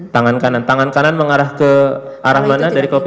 tangan kanan tangan kanan mengarah ke arah mana dari kopi